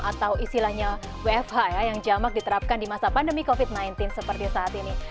atau istilahnya wfh ya yang jamak diterapkan di masa pandemi covid sembilan belas seperti saat ini